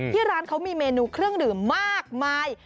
ร้านเขามีเมนูเครื่องดื่มมากมาย